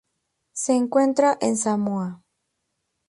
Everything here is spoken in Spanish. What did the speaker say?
Se encuentra en Samoa.